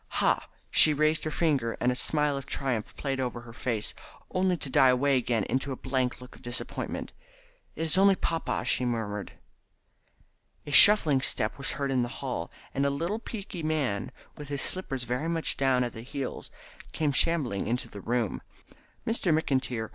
"Ha!" She raised her finger, and a smile of triumph played over her face, only to die away again into a blank look of disappointment. "It is only papa," she murmured. A shuffling step was heard in the hall, and a little peaky man, with his slippers very much down at the heels, came shambling into the room. Mr. McIntyre, sen.